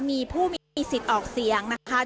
มีผู้มีสิทธิ์ออกเสียงนะคะ